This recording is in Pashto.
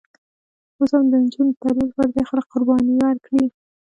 اوس هم د نجونو د تعلیم لپاره ډېر خلک قربانۍ ورکړي.